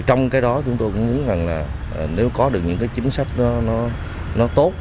trong cái đó chúng tôi cũng muốn là nếu có được những chính sách nó tốt